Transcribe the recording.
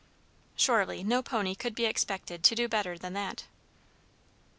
Surely, no pony could be expected to do better than that.